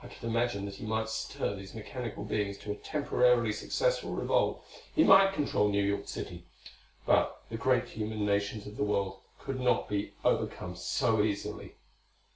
I could imagine that he might stir these mechanical beings to a temporarily successful revolt: he might control New York City; but the great human nations of the world could not be overcome so easily.